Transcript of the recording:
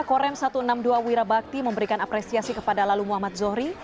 korem satu ratus enam puluh dua wirabakti memberikan apresiasi kepada lalu muhammad zohri